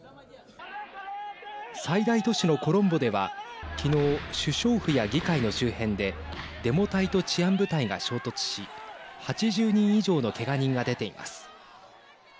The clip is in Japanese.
最大都市のコロンボではきのう、首相府や議会の周辺でデモ隊と治安部隊が衝突し８０人以上のけが人が出ています。